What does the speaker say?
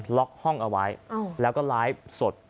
ล็อกห้องเอาไว้แล้วก็ไลฟ์สด